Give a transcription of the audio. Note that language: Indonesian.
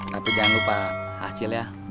tapi jangan lupa hasilnya